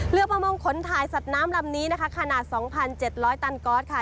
เรือประมงขนถ่ายสัตว์น้ำลำนี้นะคะขนาด๒๗๐๐ตันกอสค่ะ